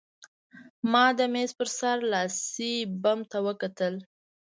ما د مېز په سر لاسي بم ته وکتل